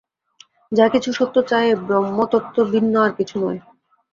যা কিছু সত্য, তা এই ব্রহ্মতত্ত্ব ভিন্ন আর কিছু নয়।